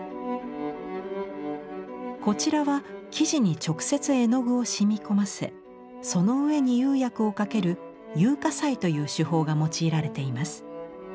こちらは生地に直接絵の具を染み込ませその上に釉薬をかける「釉下彩」という手法が用いられています。